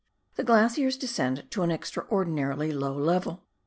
The glaciers descend to an extraordinarily low level.